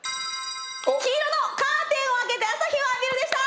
黄色のカーテンを開けて朝日を浴びるでした。